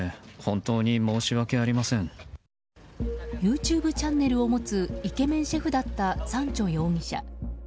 ＹｏｕＴｕｂｅチャンネルを持つイケメンシェフだったサンチョ容疑者。